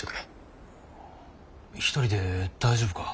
１人で大丈夫か？